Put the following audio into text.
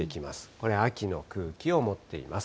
これ、秋の空気を持っています。